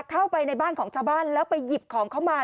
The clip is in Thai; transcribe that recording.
เข้าไปในบ้านของชาวบ้านแล้วไปหยิบของเข้ามา